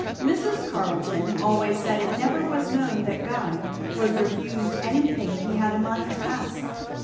Mrs. Carleton always said it never was known that Guy was refused anything he had a mind to ask.